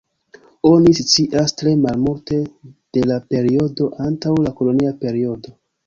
Oni scias tre malmulte de la periodo antaŭ la kolonia periodo.